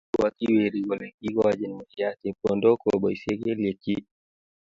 Ibwoti weri kole kiikochini muryat chepkondook koboisye kelekchi.